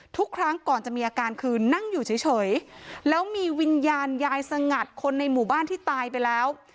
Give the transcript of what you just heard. ทุกครั้งก่อนจะมีอาการคือนั่งอยู่เฉยแล้วมีวิญญาณยายสงัดคนในหมู่บ้านที่ตายไปแล้ว